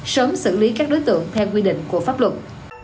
sớm xử lý các đối tượng theo quy định của pháp luật